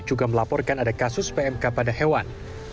juga melaporkan ada kasus pmk pada hewan